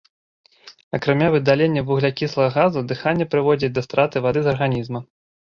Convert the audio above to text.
Акрамя выдалення вуглякіслага газу, дыханне прыводзіць да страты вады з арганізма.